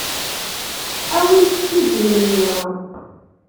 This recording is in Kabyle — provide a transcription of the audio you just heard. Awimt-tt-id i memmi.